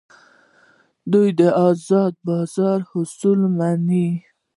دوی د ازاد بازار اصول مني.